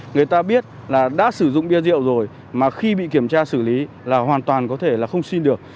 người ta biết là đã sử dụng bia rượu rồi mà khi bị kiểm tra xử lý là hoàn toàn có thể là không xin được